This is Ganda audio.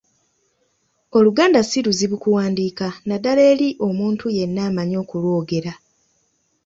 Oluganda si luzibu kuwandiika, naddala eri omuntu yenna amanyi okulwogera.